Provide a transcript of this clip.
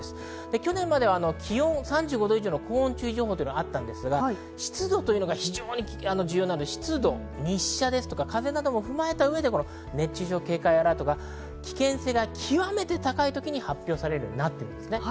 去年までは気温３５度以上の高温注意情報があったんですが、湿度が重要で、日射、風邪なども踏まえて熱中症警戒アラートが危険性が極めて高い時に発表されるようになってるんですね。